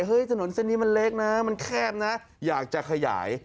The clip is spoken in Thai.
ถนนเส้นนี้มันเล็กนะมันแคบนะอยากจะขยาย